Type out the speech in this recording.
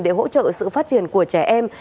để hỗ trợ sự phát triển của trẻ em